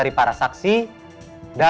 menaruh empat puluh juta jesse